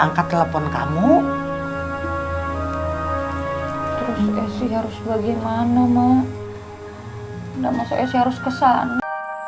nggak masuk es harus ke sana